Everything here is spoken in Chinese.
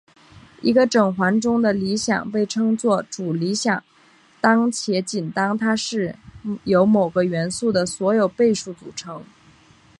一个整环中的理想被称作主理想当且仅当它是由某个元素的所有倍数组成。